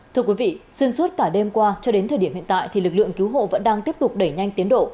thưa quý vị xuyên suốt cả đêm qua cho đến thời điểm hiện tại lực lượng cứu hộ vẫn đang tiếp tục đẩy nhanh tiến độ